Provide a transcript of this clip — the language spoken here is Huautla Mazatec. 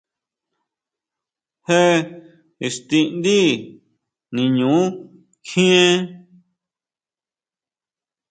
¿Jé íxtidí niñu kjien?